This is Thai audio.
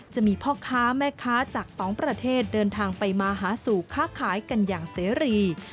จะมีพ่อค้าแม่ค้าจากสองประเทศเดินทางไปมาหาสู่ค้าขายกันอย่างเสรี